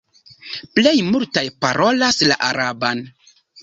Plej multaj parolas la araban.